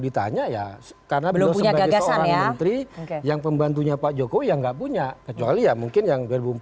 di segmen selanjutnya